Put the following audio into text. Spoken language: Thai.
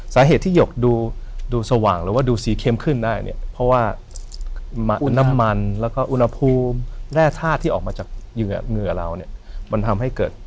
สาเหตุที่หยกดูสว่างหรือว่าดูสีเข้มขึ้นได้เนี่ยเพราะว่าน้ำมันแล้วก็อุณหภูมิแร่ธาตุที่ออกมาจากเหยื่อเราเนี่ยมันทำให้เกิด